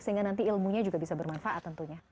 sehingga nanti ilmunya juga bisa bermanfaat tentunya